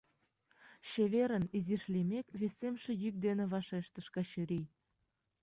— Чеверын, — изиш лиймек, весемше йӱк дене вашештыш Качырий.